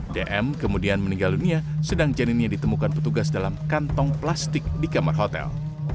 dm kemudian meninggal dunia sedang janinnya ditemukan petugas dalam kantong plastik di kamar hotel